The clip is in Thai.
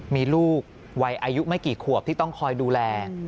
มีลูกวัยอายุไม่กี่ขวบที่ต้องคอยดูแล